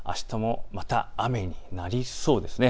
あしたもまた雨になりそうです。